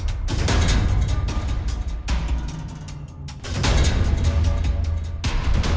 kok penuhnya kebuka